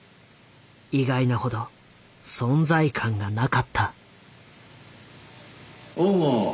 意外なほど存在感がなかった。